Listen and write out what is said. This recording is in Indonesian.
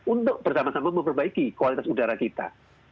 untuk bersama sama memperbaiki kualitas udara kita